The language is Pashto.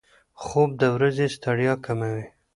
خوب د ورځې ستړیا کموي.